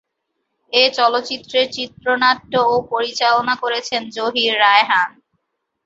এ চলচ্চিত্রের চিত্রনাট্য ও পরিচালনা করেছেন জহির রায়হান।